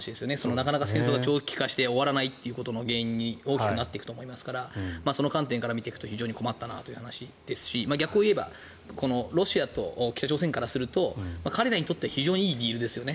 なかなか戦争が長期化して終わらないことの原因に大きくなっていくと思いますからその観点から見ていくと非常に困ったなという話ですし逆に言えばロシアと北朝鮮からすると彼らにとっては非常にいいディールですよね。